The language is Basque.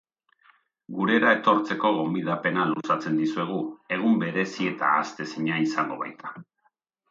Gurera etortzeko gonbidapena luzatzen dizuegu, egun berezi eta ahaztezina izango baita.